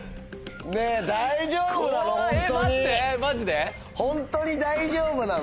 ねぇ大丈夫なの？